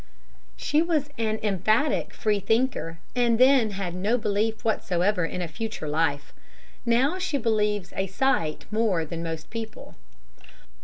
She was an emphatic freethinker, and had then no belief whatsoever in a future life. Now she believes "a sight" more than most people.